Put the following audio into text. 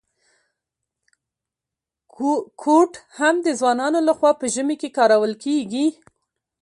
کوټ هم د ځوانانو لخوا په ژمي کي کارول کیږي.